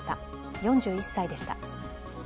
４１歳でした。